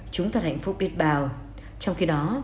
chúng thật hạnh phúc biết bao